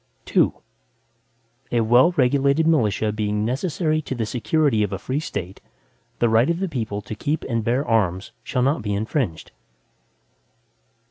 II A well regulated militia, being necessary to the security of a free State, the right of the people to keep and bear arms, shall not be infringed.